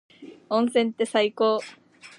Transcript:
温泉って最高。